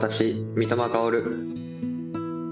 三笘薫。